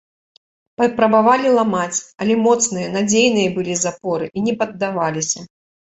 Папрабавалі ламаць, але моцныя, надзейныя былі запоры і не паддаваліся.